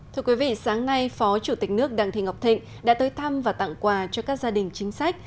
thưa quý vị sáng nay phó chủ tịch nước đặng thị ngọc thịnh đã tới thăm và tặng quà cho các gia đình chính sách